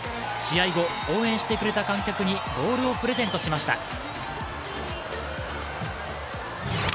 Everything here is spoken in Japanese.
試合後、応援してくれた観客にボールをプレゼントしました。